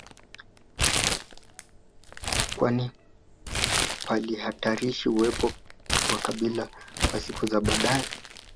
kwani palihatarisha uwepo wa kabila kwa siku za baadae